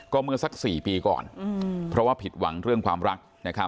ก็เมื่อสัก๔ปีก่อนเพราะว่าผิดหวังเรื่องความรัก